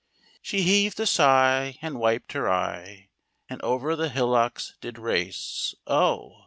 She heaved a sigh, and wiped her eye, And over the hillocks did race — O